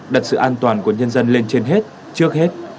đặt sự an toàn của nhân dân lên trên hết trước hết